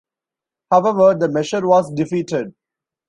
However, the measure was defeated.